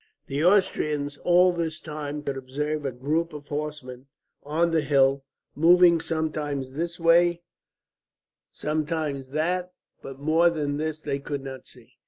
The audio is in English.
The Austrians, all this time, could observe a group of horsemen on the hill, moving sometimes this way sometimes that, but more than this they could not see.